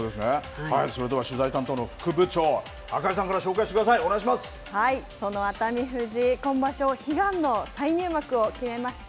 それでは取材担当の副部長赤井さんからその熱海富士、今場所悲願の再入幕を決めました。